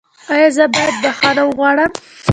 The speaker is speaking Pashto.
ایا زه باید بخښنه وغواړم؟